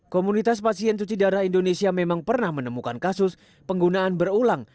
komunitas pasien cuci darah indonesia memang pernah menemukan kasus penggunaan berulang